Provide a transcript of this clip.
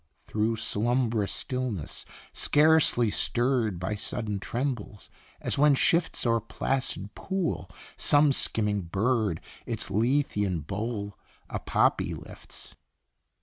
Through slumb'rous stillness, scarcely stirred By sudden trembles, as when shifts O'er placid pool some skimming bird, Its Lethean bowl a poppy lifts.